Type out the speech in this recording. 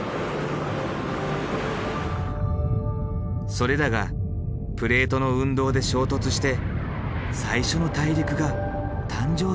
それらがプレートの運動で衝突して最初の大陸が誕生したのではないか。